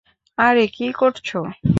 আরে, কি করছো?